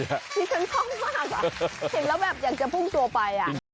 เห็นแล้วแบบอยากจะพุ่งตัวไป